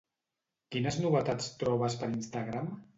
Quines novetats trobes per Instagram?